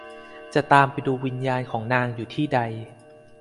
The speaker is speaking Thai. จะตามไปดูวิญญาณของนางอยู่ที่ใด